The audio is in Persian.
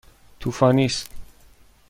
طوفانی است.